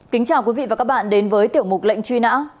kính chào quý vị và các bạn đến với tiểu mục lệnh truy nã